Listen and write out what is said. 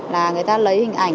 là người ta lấy hình ảnh